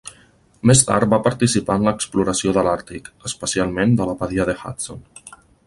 Més tard va participar en l'exploració de l'àrtic, especialment de la badia de Hudson.